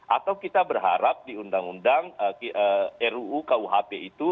atau kita berharap di undang undang ruu kuhp itu